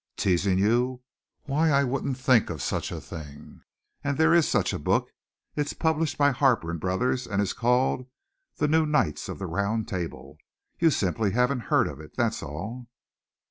"Teasing you? Why I wouldn't think of such a thing. And there is such a book. It's published by Harper and Brothers and is called 'The New Knights of the Round Table.' You simply haven't heard of it, that's all."